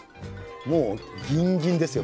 もうギンギンですよ。